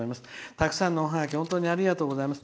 たくさんのおハガキ本当にありがとうございます。